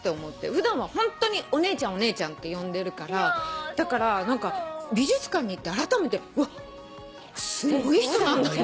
普段はホントにお姉ちゃんお姉ちゃんって呼んでるからだから美術館に行ってあらためてうわっすごい人なんだなって。